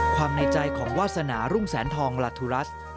ในใจของวาสนารุ่งแสนทองลาทุรัส